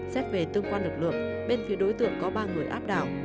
xét về tương quan lực lượng bên phía đối tượng có ba người áp đảo